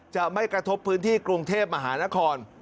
จะไม่กระทบพื้นที่กรุงเทพมหานคร